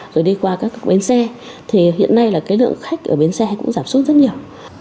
rồi đi qua các bến xe thì hiện nay là cái lượng khách ở bến xe cũng giảm suốt rất nhiều